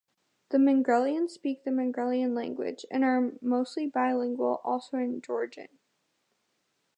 The Mingrelians speak the Mingrelian language, and are mostly bilingual also in Georgian.